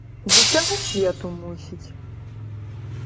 З усяго свету, мусіць.